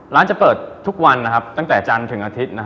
ร้านจะเปิดทุกวันตั้งแต่จันทร์ถึงอาทิตย์